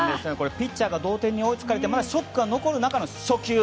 ピッチャーが同点に追いつかれてまだショックが残る中の初球。